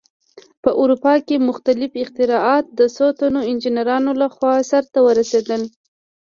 په اروپا کې مختلف اختراعات د څو تنو انجینرانو لخوا سرته ورسېدل.